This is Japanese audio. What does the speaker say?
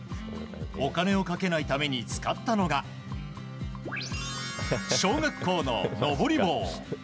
お金をかけないために使ったのが小学校の登り棒。